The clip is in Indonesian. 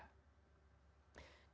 ketika engkau meletakkan cinta